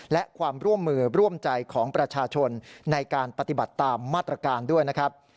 และความร่วมมือร่วมใจของประชาชนในการปฏิบัติตามมาตรการด้วยนะครับ